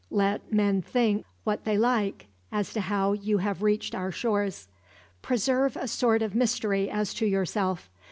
Let men think what they like as to how you have reached our shores. Preserve a sort of mystery as to yourself.